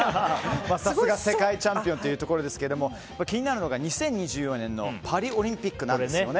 さすが世界チャンピオンというところですけれども気になるのが２０２４年のパリオリンピックなんですよね。